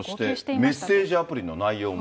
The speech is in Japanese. そしてメッセージアプリの内容も。